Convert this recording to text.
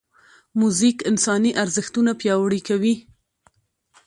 موزیک انساني ارزښتونه پیاوړي کوي.